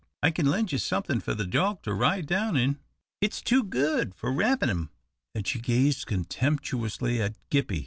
I kin lend you somethin' for the dog to ride down in. It's too good for wrappin' him," and she gazed contemptuously at Gippie.